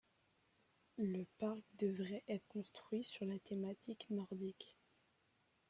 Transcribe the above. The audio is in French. Le park devrait être construit sur la thématique nordique.